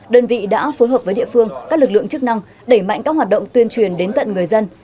đơn vị đã phối hợp với địa phương các lực lượng chức năng đẩy mạnh các hoạt động tuyên truyền đến tận người dân